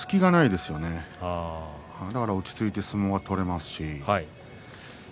ですから落ち着いて相撲を取れます。